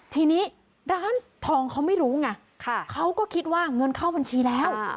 ทีนี้ร้านทองเขาไม่รู้ไงเขาก็คิดว่าเงินเข้าบัญชีแล้ว